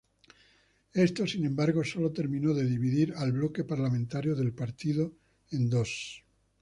Esto, sin embargo, solo terminó de dividir al bloque parlamentario del partido en dos.